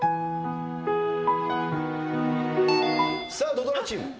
土ドラチーム。